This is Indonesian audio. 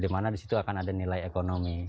dimana disitu akan ada nilai ekonomi